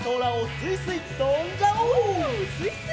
すいすい！